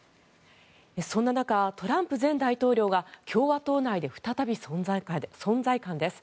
そんな中トランプ前大統領が共和党内で再び存在感です。